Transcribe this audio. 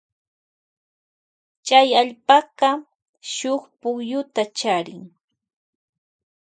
Chay allpaka charin shuk pukyuta.